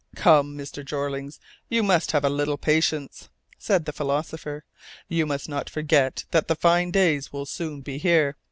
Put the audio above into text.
"Come, Mr. Jeorling, you must have a little patience," said the philosopher, "you must not forget that the fine days will soon be here.